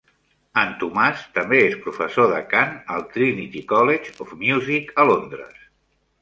En Tomàs també és professor de cant al Trinity College of Music a Londres.